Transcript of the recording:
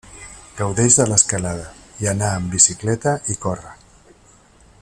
Gaudeix de l'escalada, i anar amb bicicleta i córrer.